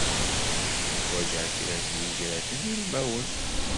Ḥwajeɣ kra n yigraten d ilmawen.